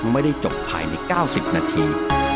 ไม่ได้จบภายในเก้าสิบนาที